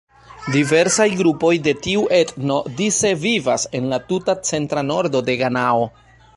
Diversaj grupoj de tiu etno dise vivas en la tuta centra nordo de Ganao.